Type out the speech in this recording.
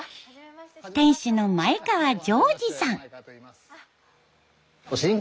店主の前川丈二さん。